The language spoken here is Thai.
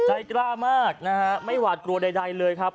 ใจกล้ามากนะฮะไม่หวาดกลัวใดเลยครับ